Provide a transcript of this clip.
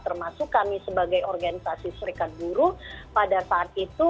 termasuk kami sebagai organisasi serikat buruh pada saat itu